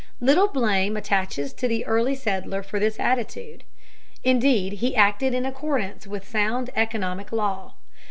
Little blame attaches to the early settler for this attitude, indeed he acted in accordance with sound economic law.